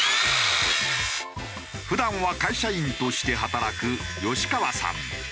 普段は会社員として働く吉川さん。